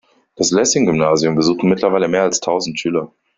Das Lessing-Gymnasium besuchen mittlerweile mehr als tausend Schüler.